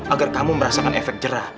agar kamu merasakan efek jerah